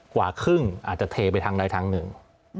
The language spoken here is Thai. กว่าครึ่งอาจจะเทไปทางใดทางหนึ่ง